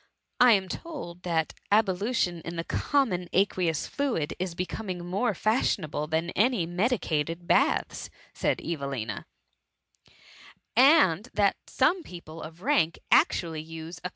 I am told that ablution in the common aqueous fluid is becoming more fashionable than any medicated baths,*^ said Evelina, ^* and that some people of rank actually use a com 168 THE MUMMY.